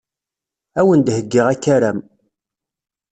Ad awen-d-heyyiɣ akaram.